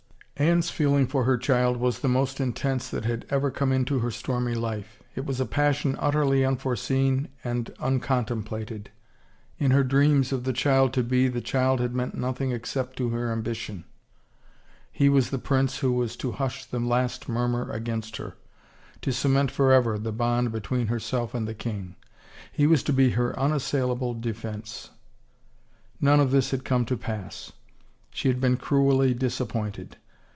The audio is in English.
Anne's feeling for her child was the most intense that had ever come into her stormy life. It was a passion utterly unforeseen and uncontemplated — in her dreams of the child to be the child had meant nothing except to her ambition; he was the prince who was to hush the 275 THE FAVOR OF KINGS last murmur against her, to cement forever the bond be tween herself and the king. He was to be her unassaila ble defense. None of this had come to pass. She had been cruelly disappointed.